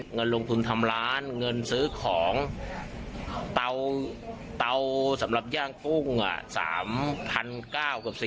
เงินลงทุนทำร้านเงินซื้อของเตาสำหรับย่างกุ้ง๓๙๐๐กับ๔๐๐